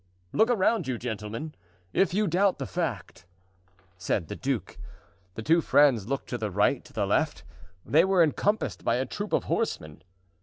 "Look around you, gentlemen, if you doubt the fact," said the duke. The two friends looked to the right, to the left; they were encompassed by a troop of horsemen.